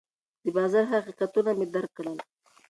د بازار حقیقتونه مې درک کړل.